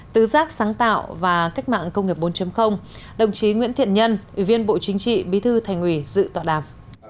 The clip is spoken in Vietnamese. tứ giác sáng tạo và cách mạng công nghiệp bốn đồng chí nguyễn thiện nhân ủy viên bộ chính trị bí thư thành ủy dự tọa đàm